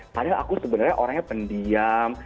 padahal aku sebenarnya orangnya pendiam